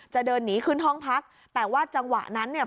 จะเดินหนีขึ้นห้องพักแต่ว่าจังหวะนั้นเนี่ย